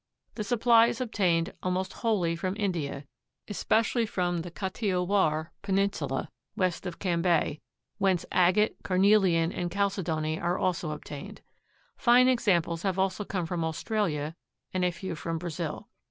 The supply is obtained almost wholly from India, especially from the Kathiawar Peninsula west of Cambay, whence agate, carnelian and chalcedony are also obtained. Fine examples have also come from Australia and a few from Brazil.